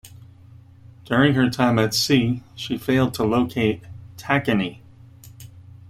During her time at sea, she failed to locate "Tacony".